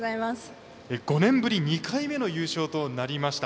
５年ぶり２回目の優勝となりました。